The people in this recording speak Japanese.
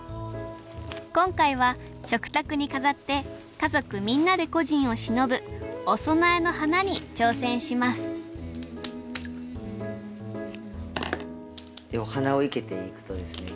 今回は食卓に飾って家族みんなで故人をしのぶお供えの花に挑戦しますでお花を生けていくとですね